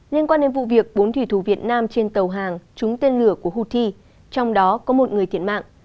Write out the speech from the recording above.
liên quan đến vụ việc bốn thủy thủ việt nam trên tàu hàng trúng tên lửa của houthi trong đó có một người thiệt mạng